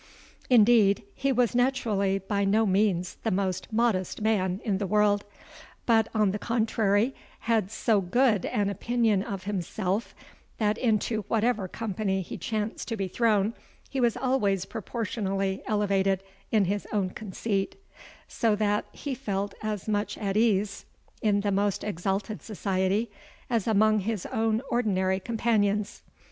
Indeed, he was naturally by no means the most modest man in the world, but, on the contrary, had so good an opinion of himself, that into whatever company he chanced to be thrown, he was always proportionally elevated in his own conceit; so that he felt as much at ease in the most exalted society as among his own ordinary companions.